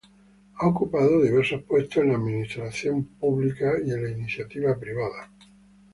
Ha ocupado diversos puestos en la administración pública y en la iniciativa privada.